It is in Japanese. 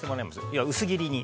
要は薄切りに。